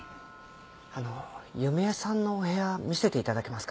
あの弓江さんのお部屋見せて頂けますか？